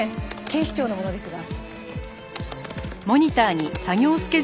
警視庁の者ですが。